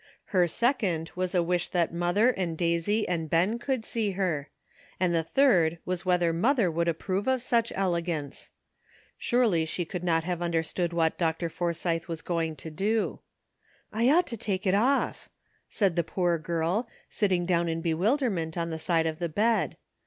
Her second was a wish that mother and Daisy and Ben could see her ; and the third was whether mother would approve of such elegance. Surely she could not have understood what Dr. For sythe was going to do. "I ought to take it off," said the poor girl, sitting down in bewil 228 BORHOWEB TROUBLE. derment on the side of the bed.